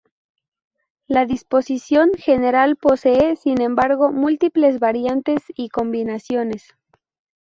La disposición general posee, sin embargo, múltiples variantes y combinaciones.